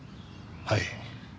はい。